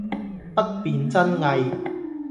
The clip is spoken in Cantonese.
不辨真偽